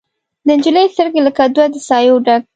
د نجلۍ سترګې لکه دوه د سايو ډک